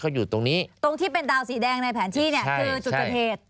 เขาอยู่ตรงนี้ตรงที่เป็นดาวสีแดงในแผนที่เนี่ยคือจุดเกิดเหตุ